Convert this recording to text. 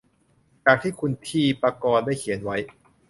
จากที่คุณทีปกรได้เขียนไว้